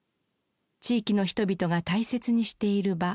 地域の人々が大切にしている場。